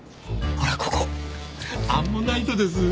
ほらここアンモナイトです。